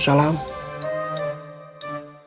jadi kamu murderer firearm itu